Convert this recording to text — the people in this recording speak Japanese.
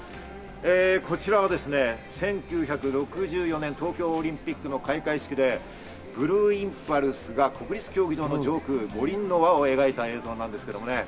こちらは１９６４年、東京オリンピックの開会式でブルーインパルスが国立競技場の上空、五輪の輪を描いた映像です。